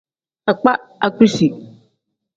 Akpa akpiizi.